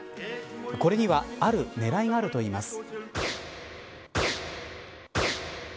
これにはある狙いがあるといいます。